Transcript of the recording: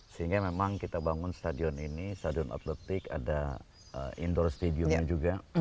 sehingga memang kita bangun stadion ini stadion atletik ada indoor stadium juga